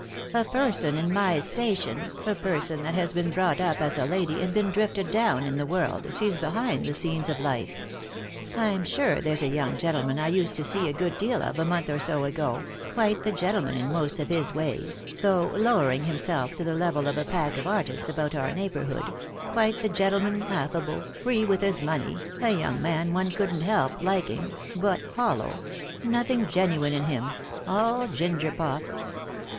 A person in my station, a person that has been brought up as a lady and been drifted down in the world, sees behind the scenes of life. I'm sure there's a young gentleman I used to see a good deal of a month or so ago — quite the gentleman in most of his ways, though lowering himself to the level of a pack of artists about our neighbourhood — quite the gentleman, affable, free with his money, a young man one couldn't help liking, but hollow — nothing genuine in him — all ginger pop."